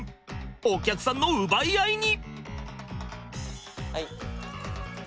お客さんの奪い合いに！